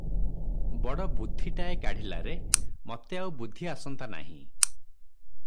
ବଡ଼ ବୁଦ୍ଧିଟାଏ କାଢ଼ିଲା ରେ! ମତେ ଆଉ ବୁଦ୍ଧି ଆସନ୍ତା ନାହିଁ ।